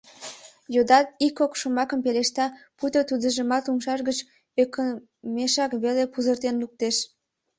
Йодат — ик-кок шомакым пелешта, пуйто тудыжымат умшаж гыч ӧкымешак веле пузыртен луктеш.